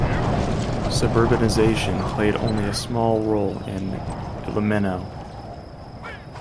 Suburbanization played only a small role in Ilmenau.